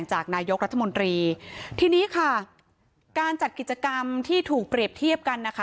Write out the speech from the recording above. จากนายกรัฐมนตรีทีนี้ค่ะการจัดกิจกรรมที่ถูกเปรียบเทียบกันนะคะ